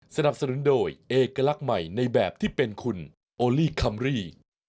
สนับสนุนโดยเอกลักษณ์ใหม่ในแบบที่เป็นคุณโอลี่คัมรี่